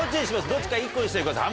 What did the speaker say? どっちか１個にしてください。